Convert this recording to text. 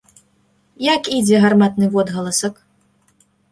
Як ідзе гарматны водгаласак?